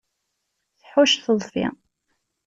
Tḥucc, teḍfi.